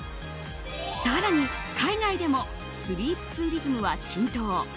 更に、海外でもスリープツーリズムは浸透。